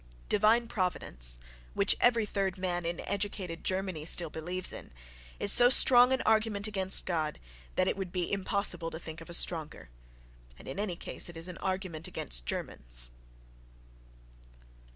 "Divine Prov idence," which every third man in "educated Germany" still believes in, is so strong an argument against God that it would be impossible to think of a stronger. And in any case it is an argument against Germans!...